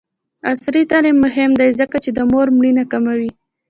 عصري تعلیم مهم دی ځکه چې د مور مړینه کموي.